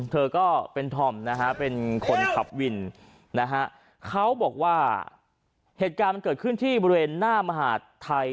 เธอก็เป็นธอมนะฮะเป็นคนขับวินนะฮะเขาบอกว่าเหตุการณ์มันเกิดขึ้นที่บริเวณหน้ามหาดไทย